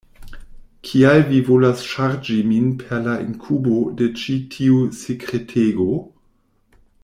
Kial vi volas ŝarĝi min per la inkubo de ĉi tiu sekretego?